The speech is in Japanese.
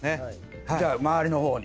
じゃあ周りの方に。